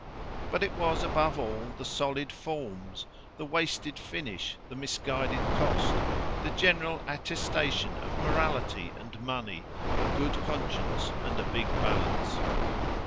But it was above all the solid forms, the wasted finish, the misguided cost, the general attestation of morality and money, a good conscience and a big balance.